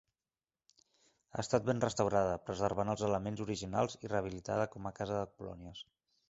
Ha estat ben restaurada, preservant els elements originals i rehabilitada com a casa de colònies.